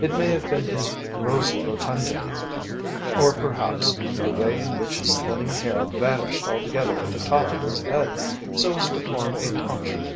It may have been his rosy rotundity, or, perhaps, the way in which his thinning hair vanished altogether at the top of his head, so as to form a tonsure.